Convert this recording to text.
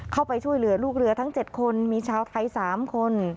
เข้าไปช่วยเหลือลูกเรือทั้ง๗คนมีชาวไทย๓คน